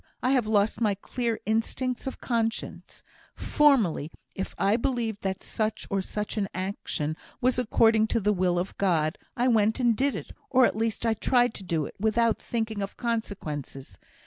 I have lost my clear instincts of conscience. Formerly, if I believed that such or such an action was according to the will of God, I went and did it, or at least I tried to do it, without thinking of consequences.